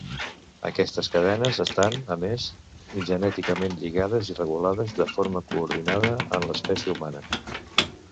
Aquestes cadenes estan, a més, genèticament lligades i regulades de forma coordinada en l'espècie humana.